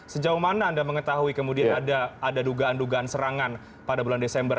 sejauh mana anda mengetahui kemudian ada dugaan dugaan serangan pada bulan desember